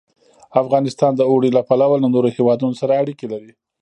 افغانستان د اوړي له پلوه له نورو هېوادونو سره اړیکې لري.